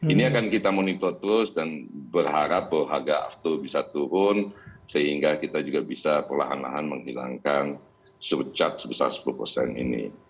ini akan kita monitor terus dan berharap bahwa harga aftur bisa turun sehingga kita juga bisa perlahan lahan menghilangkan surchard sebesar sepuluh persen ini